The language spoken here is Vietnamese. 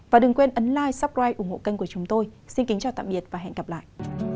cảm ơn quý vị đã quan tâm theo dõi